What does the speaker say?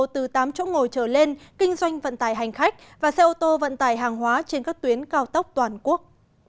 từ tám chỗ ngồi trở lên kinh doanh vận tải hành khách và xe ô tô vận tải hàng hóa trên các tuyến cao tốc toàn quốc